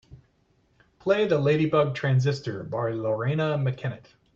Plaly The Ladybug Transistor by Loreena Mckennitt.